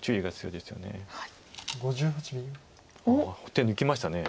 手抜きました。